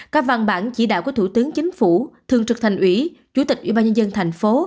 các văn bản chỉ đạo của thủ tướng chính phủ thượng trực thành ủy chủ tịch ubnd tp